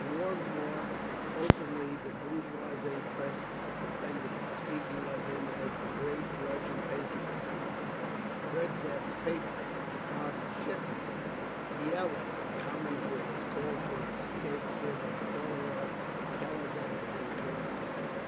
More and more openly the bourgeois press defended him, speaking of him as "the great Russian patriot." Burtzev's paper, Obshtchee Dielo (Common Cause), called for a dictatorship of Kornilov, Kaledin and Kerensky!